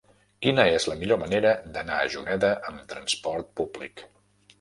Quina és la millor manera d'anar a Juneda amb trasport públic?